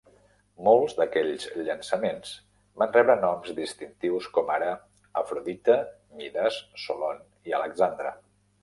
Molts d'aquests llançaments van rebre noms distintius com ara Afrodita, Midas, Solon i Alexandre.